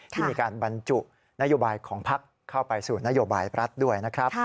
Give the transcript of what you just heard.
ที่มีการบรรจุนโยบายของพักเข้าไปสู่นโยบายรัฐด้วยนะครับ